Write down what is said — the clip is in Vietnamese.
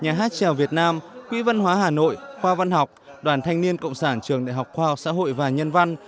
nhà hát trèo việt nam quỹ văn hóa hà nội khoa văn học đoàn thanh niên cộng sản trường đại học khoa học xã hội và nhân văn